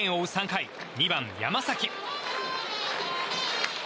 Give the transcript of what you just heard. ３回２番、山崎。